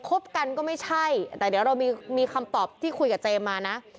คบกันก็ไม่ใช่แต่เดี๋ยวเรามีคำตอบที่คุยกับเจมส์มานะ